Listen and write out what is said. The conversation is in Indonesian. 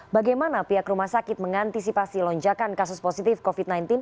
bagaimana pihak rumah sakit mengantisipasi lonjakan kasus positif covid sembilan belas